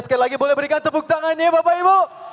sekali lagi boleh berikan tepuk tangannya bapak ibu